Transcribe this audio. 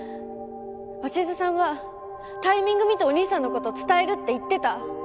鷲津さんはタイミング見てお兄さんのこと伝えるって言ってた。